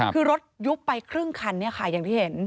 คือรถยุบไปเกินครั้งคันค่ะอย่างที่เห็น